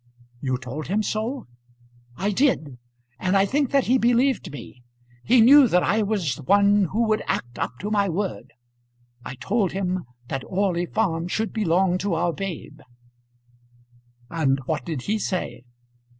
"You told him so?" "I did; and I think that he believed me. He knew that I was one who would act up to my word. I told him that Orley Farm should belong to our babe." "And what did he say?"